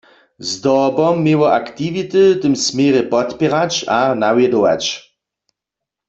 Zdobom měło aktiwity w tym směrje podpěrać a nawjedować.